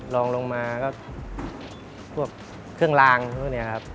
ลองลงมาก็พวกเครื่องลางพวกนี้ครับ